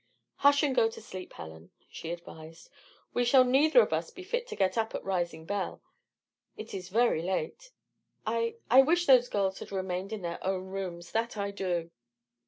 "Hush and go to sleep, Helen," she advised. "We shall neither of us be fit to get up at rising bell. It is very late. I I wish those girls had remained in their own rooms, that I do!"